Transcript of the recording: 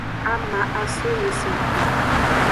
Ama aso nyisoke.